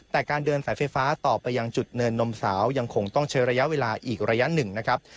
แต่การเดินสายไฟฟ้าต่อไปยังจุดเนินนมสาวยังคงต้องใช้ระยะเวลาอีกระยะหนึ่งนะครับ